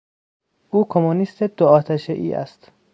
او کمونیست دو آتشهای است.